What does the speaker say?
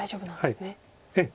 ええ。